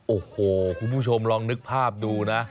โอ้โหคุณผู้ชมลองนึกภาพดูนะ